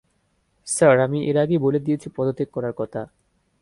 Sir, আমি এর আগেই বলে দিয়েছি পদত্যাগ করার কথা।